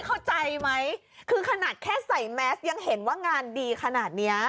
เข้าใจไหมคือขนาดแค่ใส่แมสยังเห็นว่างานดีขนาดเนี้ย